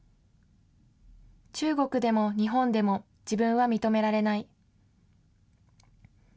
中国でも日本でも、自分は認められない。